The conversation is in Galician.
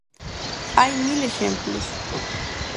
Hai mil exemplos.